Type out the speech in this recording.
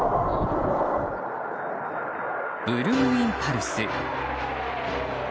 ブルーインパルス。